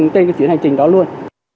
trên cái chuyến hành trình đó luôn